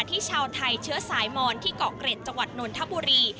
ชาวไทยเชื้อสายมอนที่เกาะเกร็ดจังหวัดนนทบุรี